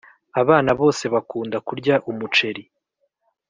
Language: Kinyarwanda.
Abana bose bakunda kurya umuceri